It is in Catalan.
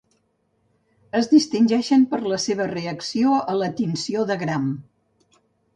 Es distingeixen per la seva reacció a la tinció de Gram.